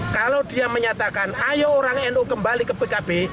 kalau dia menyatakan ayo orang nu kembali ke pkb